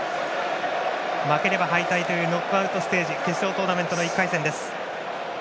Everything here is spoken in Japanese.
負ければ敗退というノックアウトステージ決勝トーナメントの１回戦です。